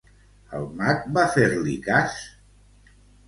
El mag va fer-li cas?